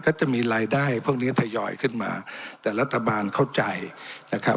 ก็จะมีรายได้พวกนี้ทยอยขึ้นมาแต่รัฐบาลเข้าใจนะครับ